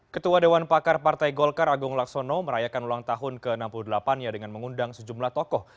ketua dewan pakar partai golkar agung laksono merayakan ulang tahun ke enam puluh delapan nya dengan mengundang sejumlah tokoh